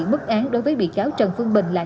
mức án đối với bị cáo trần phương bình là